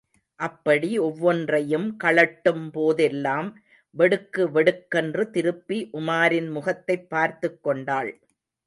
அப்படி ஒவ்வொன்றையும் கழட்டும்போதெல்லாம் வெடுக்கு வெடுக்கென்று திருப்பி உமாரின் முகத்தைப் பார்த்துக் கொண்டாள்.